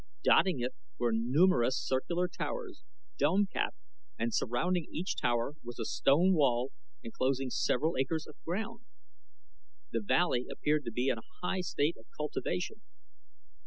Dotting it were numerous circular towers, dome capped, and surrounding each tower was a stone wall enclosing several acres of ground. The valley appeared to be in a high state of cultivation.